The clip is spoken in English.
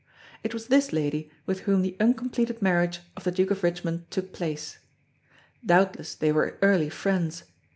It was this lady with whom the uncompleted marriage of the Duke of Richmond took place. Doubtless they were early friends.